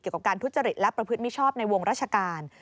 กับการทุจริตและประพฤติมิชชอบในวงราชการ